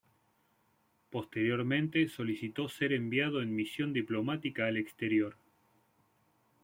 Posteriormente solicitó ser enviado en misión diplomática al exterior.